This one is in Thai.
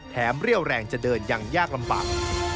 เรี่ยวแรงจะเดินอย่างยากลำบาก